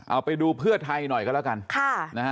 เอาไปดูเพื่อไทยหน่อยก็แล้วกัน